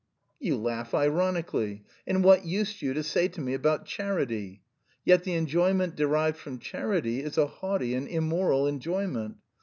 "You laugh ironically. And what used you to say to me about charity? Yet the enjoyment derived from charity is a haughty and immoral enjoyment.